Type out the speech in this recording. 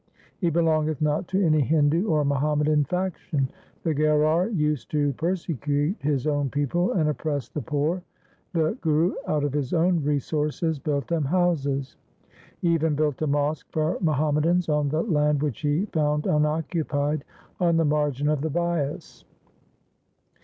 He belongeth not to any Hindu or Muhammadan faction. The Gherar used to persecute his own people and oppress the poor. The Guru out of his own resources built them houses. He even built a mosque for Muhammadans on the land which he found unoccupied on the margin of the Bias.